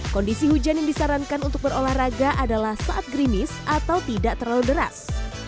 kondisi hujan yang disarankan untuk berolahraga adalah saat grimis atau tidak terlalu deras